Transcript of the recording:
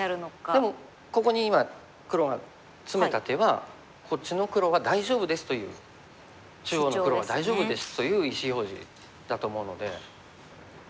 でもここに今黒がツメた手はこっちの黒は大丈夫ですという中央の黒は大丈夫ですという意思表示だと思うので。